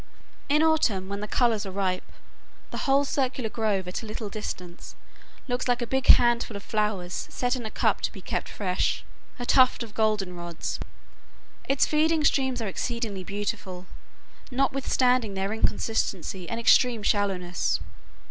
In autumn, when the colors are ripe, the whole circular grove, at a little distance, looks like a big handful of flowers set in a cup to be kept fresh—a tuft of goldenrods. Its feeding streams are exceedingly beautiful, notwithstanding their inconstancy and extreme shallowness.